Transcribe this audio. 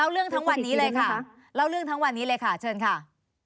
เล่าเรื่องทั้งวันนี้เลยค่ะเชิญค่ะ